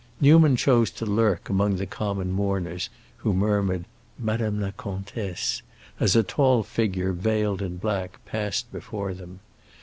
Newman chose to lurk among the common mourners who murmured "Madame la Comtesse" as a tall figure veiled in black passed before them.